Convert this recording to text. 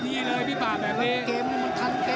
เจอซ้ายเต็มดี